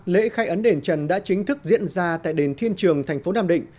lễ khai ấn đền trần đã chính thức diễn ra tại đền thiên trường thành phố nam định